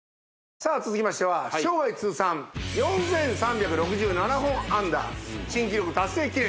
さあ続きましては生涯通算４３６７本安打新記録達成記念